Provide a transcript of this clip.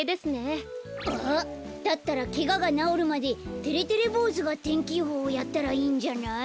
あっだったらケガがなおるまでてれてれぼうずが天気予報やったらいいんじゃない？